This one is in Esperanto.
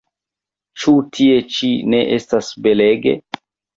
Ĉu tie ĉi ne estas belege?